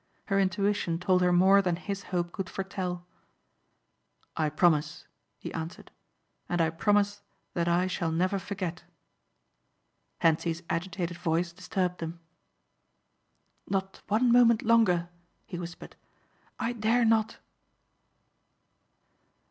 Her intuition told her more than his hope could foretell. "I promise," he answered, "and I promise that I shall never forget." Hentzi's agitated voice disturbed them. "Not one moment longer," he whispered. "I dare not."